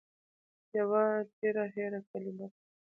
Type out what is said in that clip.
يوه تېره هېره کلمه ده